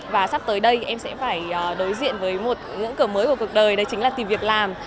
và sắp tới đây em sẽ phải đối diện với một ngưỡng cửa mới của cuộc đời đấy chính là tìm việc làm